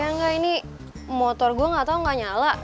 ya enggak ini motor gue enggak tahu enggak nyala